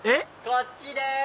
こっちです！